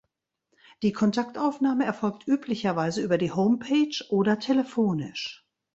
Die Kontaktaufnahme erfolgt üblicherweise über die Homepage oder telefonisch.